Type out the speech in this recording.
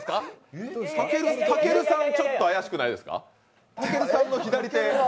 たけるさん、ちょっと怪しくないですか？